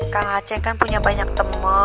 kang aceh kan punya banyak teman